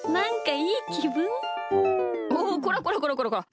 おっこらこらこらこらこら！